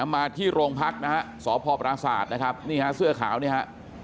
มาที่โรงพักนะฮะสพปราศาสตร์นะครับนี่ฮะเสื้อขาวเนี่ยฮะ